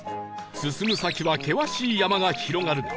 進む先は険しい山が広がる